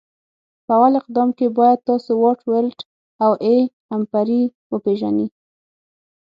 په اول قدم کي باید تاسو واټ ولټ او A امپري وپيژني